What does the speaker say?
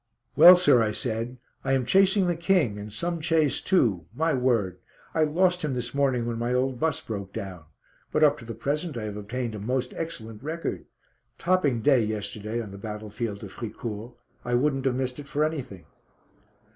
"Well, sir," I said, "I am chasing the King, and some chase too, my word. I lost him this morning when my old bus broke down. But up to the present I have obtained a most excellent record. Topping day yesterday on the battlefield of Fricourt. I wouldn't have missed it for anything."